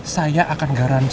saya akan garansi dia